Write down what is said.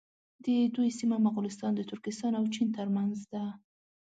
د دوی سیمه مغولستان د ترکستان او چین تر منځ ده.